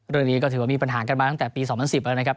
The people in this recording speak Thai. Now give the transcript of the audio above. เรื่องนี้ก็ถือว่ามีปัญหากันมาตั้งแต่ปี๒๐๑๐แล้วนะครับ